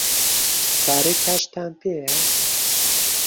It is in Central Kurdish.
پارەی کاشتان پێیە؟